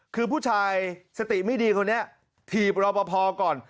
คือผู้ชายสติไม่ดีคนนี้ถีบรอปภก่อน